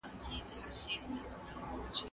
دا هدف د سمې ليکنې دی.